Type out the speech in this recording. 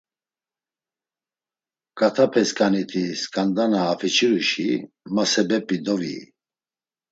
K̆atapesǩaniti sǩanda na afiçiruşi, ma sebep̌i doviyi.